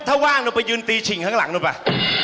ถ้าว่างหนูไปยืนตีฉิงข้างหลังหนูไป